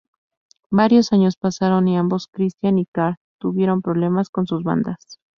Varios años pasaron y ambos Christian y Carl tuvieron problemas con sus bandas.